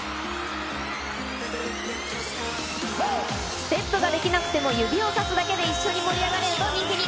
ステップができなくても、指をさすだけで一緒に盛り上がれると人気に。